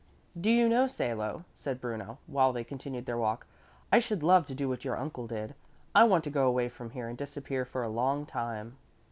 "Do you know, Salo," said Bruno while they continued their walk, "I should love to do what your uncle did. I want to go away from here and disappear for a long time.